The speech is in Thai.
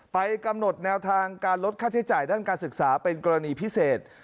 ไปกำหนดแนวทางการลดค่าใช้จ่ายด้านการศึกษาเป็นกรณีพิเศษ